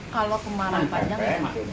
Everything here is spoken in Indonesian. kalau kemarau panjang ya